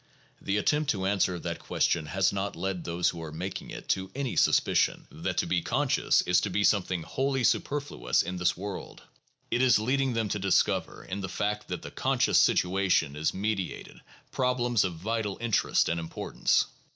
The attempt to answer that question has not led those who are making it to any suspicion that to be conscious 640 THE PHILOSOPHICAL REVIEW. is to be something wholly superfluous in this world. It is leading them to discover in the fact that the conscious situation is mediated problems of vital interest and importance.